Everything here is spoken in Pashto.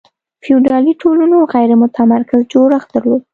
فیوډالي ټولنو غیر متمرکز جوړښت درلود.